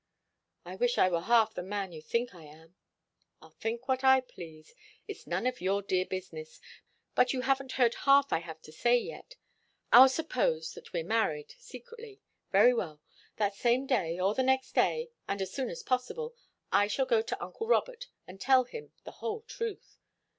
"I wish I were half what you think I am." "I'll think what I please. It's none of your dear business. But you haven't heard half I have to say yet. I'll suppose that we're married secretly. Very well. That same day, or the next day, and as soon as possible, I shall go to uncle Robert and tell him the whole truth."